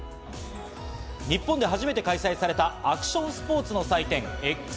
日本で初めて開催されたアクションスポーツの祭典ＸＧａｍｅｓ。